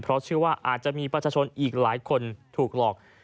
เพราะเชื่อว่าอาจจะมีประชาชนอีกหลายคนถูกหลอก